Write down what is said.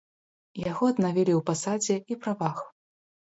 Яго аднавілі ў пасадзе і правах.